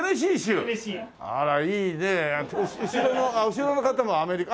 後ろの方もアメリカ？